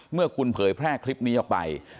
เมื่อคุณเผยแพร่คลิปนี้ออกไป